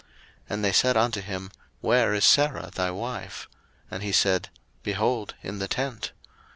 01:018:009 And they said unto him, Where is Sarah thy wife? And he said, Behold, in the tent.